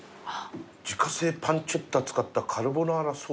自家製パンチェッタ使ったカルボナーラソース。